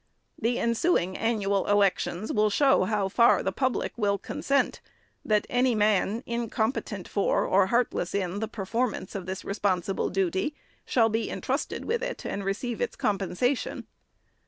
The ensuing SECOND ANNUAL REPORT. 503 annual elections will show how far the public will con sent, that any man, incompetent for, or heartless in, the performance of this responsible duty, shall be intrusted with it and receive its compensation.